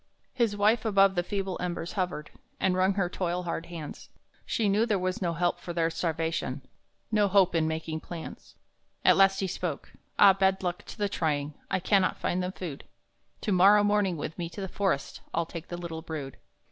His wife above the feeble embers hovered, And wrung her toil hard hands; She knew there was no help for their starvation, No hope in making plans. At last he spoke: "Ah, bad luck to the trying, I cannot find them food! To morrow morning with me to the forest I'll take the little brood!